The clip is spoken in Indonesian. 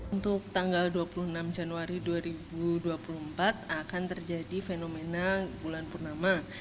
untuk tanggal dua puluh enam januari dua ribu dua puluh empat akan terjadi fenomena bulan purnama